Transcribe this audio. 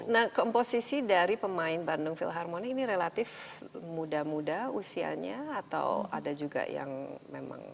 nah komposisi dari pemain bandung philharmony ini relatif muda muda usianya atau ada juga yang memang